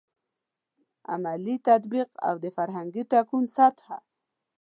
عملي تطبیق او د فرهنګي تکون سطحه.